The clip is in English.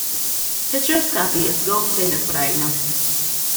Hysteroscopy is the gold standard for diagnosis.